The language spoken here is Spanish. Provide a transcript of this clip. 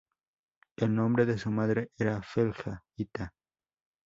El nombre de su madre era Felga-Ita.